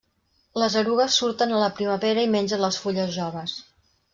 Les erugues surten a la primavera i mengen les fulles joves.